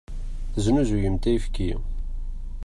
Teznuzayemt ayefki.